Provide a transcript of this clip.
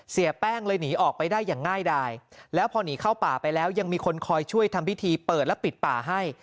เสียแป้งเลยหนีออกไปได้อย่างง่ายดายแล้วพอหนีเข้าป่าไปแล้วยังมีคนคอยช่วยทำพิธีเปิดและปิดป่าให้